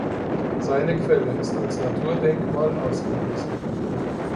Seine Quelle ist als Naturdenkmal ausgewiesen.